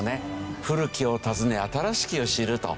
「故きを温ね新しきを知る」と。